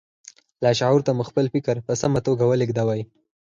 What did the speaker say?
لاشعور ته مو خپل فکر په سمه توګه ولېږدوئ